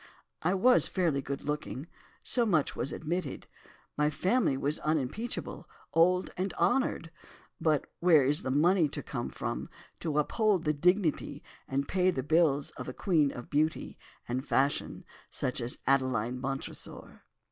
I was fairly good looking—so much was admitted—my family was unimpeachable, old and honoured, but where is the money to come from to uphold the dignity and pay the bills of a queen of beauty and fashion such as Adeline Montresor?